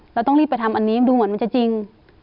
เราต้องรีบไปทำอันนี้ดูเหมือนมันจะจริง